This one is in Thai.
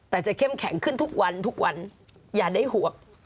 แต่จะเข้มแข็งขึ้นทุกวันทุกวันอย่าได้ห่วง